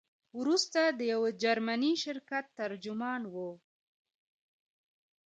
وروسته د یو جرمني شرکت ترجمان وو.